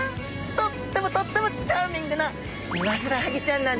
とってもとってもチャーミングなウマヅラハギちゃん？